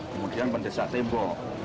kemudian pendesa tembok